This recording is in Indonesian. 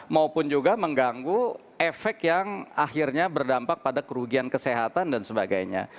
maupun juga mengganggu efek yang akhirnya berdampak pada kerugian kesehatan dan sebagainya